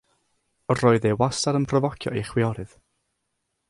Roedd e wastad yn pryfocio ei chwiorydd.